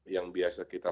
yang biasa kita